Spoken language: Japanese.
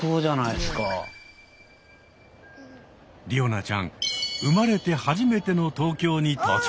おなちゃん生まれて初めての東京に到着。